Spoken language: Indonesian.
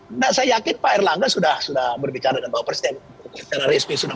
enggak saya yakin pak erlangga sudah sudah berbicara dan pak presiden secara resmi sudah